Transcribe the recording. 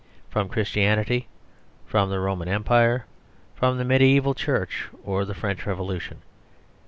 From Christianity, from the Roman Empire, from the mediaeval Church, or the French Revolution.